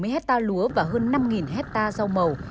một bảy trăm bảy mươi hectare lúa và hơn năm hectare rau màu